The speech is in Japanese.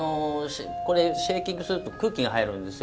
これシェーキングすると空気が入るんですよ。